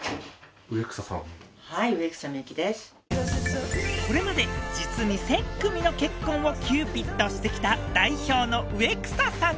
はいこれまで実に１０００組の結婚をキューピッドしてきた代表の植草さん